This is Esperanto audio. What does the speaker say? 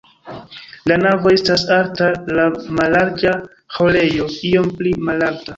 La navo estas alta, la mallarĝa ĥorejo iom pli malalta.